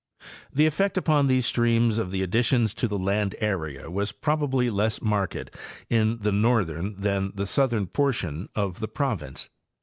The effect upon these streams of the additions to the land area was probably less marked in the northern than in the southern por tion of the province.